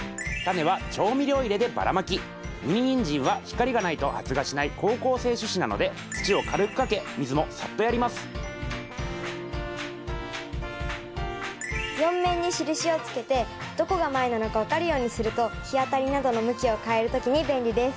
ミニニンジンは光がないと発芽しない好光性種子なので４面に印をつけてどこが前なのか分かるようにすると日当たりなどの向きを変える時に便利です。